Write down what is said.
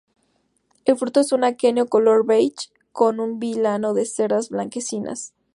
El fruto es un aquenio color beige con un vilano de cerdas blanquecinas.